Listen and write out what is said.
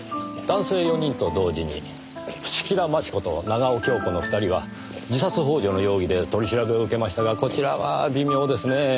男性４人と同時に伏木田真智子と長尾恭子の２人は自殺幇助の容疑で取り調べを受けましたがこちらは微妙ですねぇ。